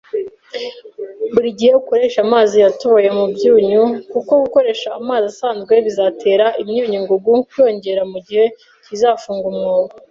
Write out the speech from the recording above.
Buri gihe ukoreshe amazi yatoboye mubyuma kuko gukoresha amazi asanzwe bizatera imyunyu ngugu kwiyongera mugihe kizafunga umwobo.